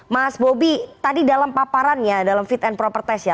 mas bobi tadi dalam paparannya dalam fit and proper test ya